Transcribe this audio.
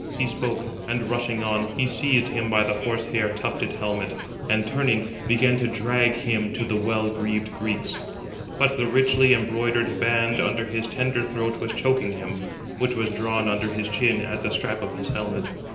He spoke; and rushing on, he seized him by the horse hair tufted helmet, and turning, began to drag him to the well greaved Greeks: but the richly embroidered band under his tender throat was choking him, which was drawn under his chin as the strap of his helmet.